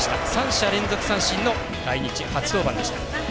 ３者連続三振の来日初登板でした。